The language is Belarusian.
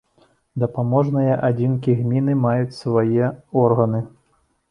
Дапаможныя адзінкі гміны маюць свае органы.